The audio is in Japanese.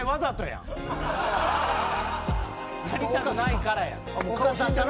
やりたくないからや。